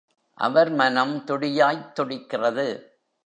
அவர் மனம் துடியாய்த் துடிக்கிறது.